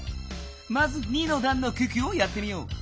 まず２のだんの九九をやってみよう。